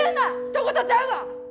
ひと事ちゃうわ！